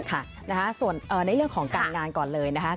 ค่ะส่วนในเรื่องของการงานก่อนเลยนะคะ